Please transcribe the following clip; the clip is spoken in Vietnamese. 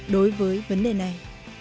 đối với vấn đề này